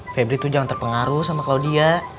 febri tuh jangan terpengaruh sama claudia